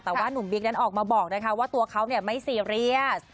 แต่ว่านุ่มบิ๊กนั้นออกมาบอกนะคะว่าตัวเขาไม่ซีเรียส